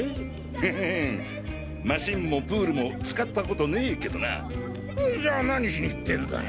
ハハハッマシンもプールも使ったことねえっじゃあ何しに行ってんだい？